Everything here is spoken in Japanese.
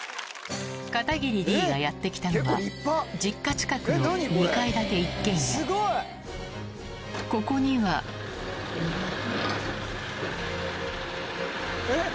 片桐Ｄがやって来たのは実家近くのここにはえっ？